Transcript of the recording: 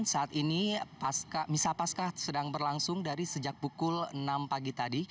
saat ini misah pasca sedang berlangsung dari sejak pukul enam pagi tadi